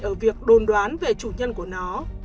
ở việc đồn đoán về chủ nhân của nó